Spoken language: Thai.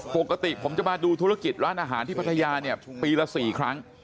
ปกติผมจะมาดูธุรกิจร้านอาหารที่พัทยาเนี่ยปีละ๔ครั้ง